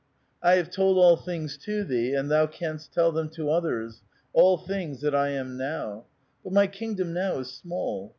"I have told all things to thee, and thou canst tell them to others, all things that I am now. But my kingdom now is small.